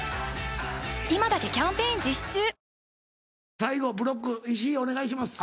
最後ブロック石井お願いします。